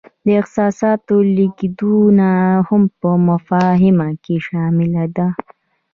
د احساساتو لیږدونه هم په مفاهمه کې شامله ده.